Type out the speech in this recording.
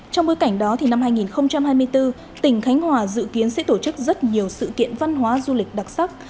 trong bối cảnh đó thì năm hai nghìn hai mươi bốn tỉnh khánh hòa dự kiến sẽ tổ chức rất nhiều sự kiện văn hóa du lịch đặc sắc